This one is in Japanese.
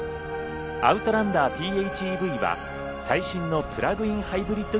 アウトランダーＰＨＥＶは最新のプラグインハイブリット